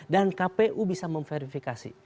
dan kpu bisa memverifikasi